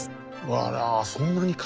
あらそんなにか。